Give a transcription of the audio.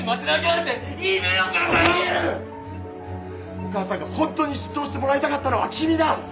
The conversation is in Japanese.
お母さんが本当に執刀してもらいたかったのは君だ。